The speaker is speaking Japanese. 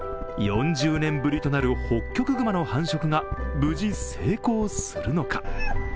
４０年ぶりとなるホッキョクグマの繁殖が無事成功するのか。